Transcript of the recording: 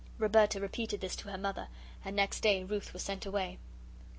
Roberta repeated this to her Mother, and next day Ruth was sent away.